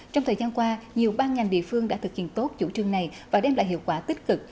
trong thời gian qua nhiều ban ngành địa phương đã thực hiện tốt chủ trương này và đem lại hiệu quả tích cực